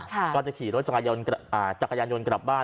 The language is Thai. ก็จะขี่รถจักรยายนยนต์กลับบ้าน